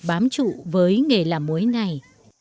bám trụ với nghề làm muối này